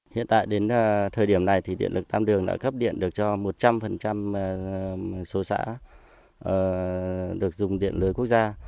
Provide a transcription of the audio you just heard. hiện tại đến thời điểm này thì điện lực tam đường đã cấp điện được cho một trăm linh số xã được dùng điện lưới quốc gia